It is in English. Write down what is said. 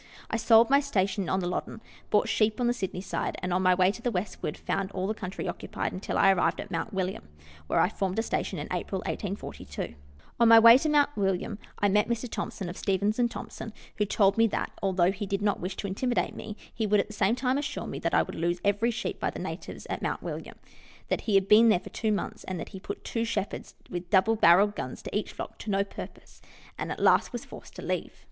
I sold my station on the Loddon, bought sheep on the Sydney side, and on my way to the westward found all the country occupied until I arrived at Mount William, where I formed a station in April 1842. On my way to Mount William, I met Mr. Thomson, of Stevens and Thomson, who told me that, although he did not wish to intimidate me, he would at the same time assure me that I would lose every sheep by the natives at Mount William ; that he had been there for two months, and that he put two shepherds with double barrelled guns to each flock to no purpose, and at 23G Letters from Victorian Pioneers. last was forced to leave.